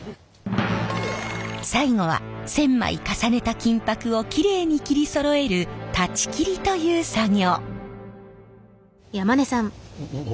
最後は１，０００枚重ねた金箔をきれいに切りそろえる裁ち切りという作業。